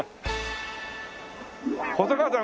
細川さん